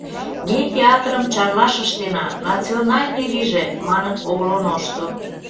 «Ме театрым Чарлаш ыштена, «национальный» лийже», — маныт облоношто...